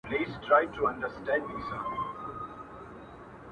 زما پر تور قسمت باندي باغوان راسره وژړل؛